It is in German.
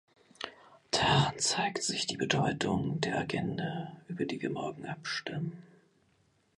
Daran zeigt sich die Bedeutung der Agenda, über die wir morgen abstimmen.